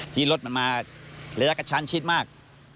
ที่รถมันมาระยะกระชั้นชิดมาก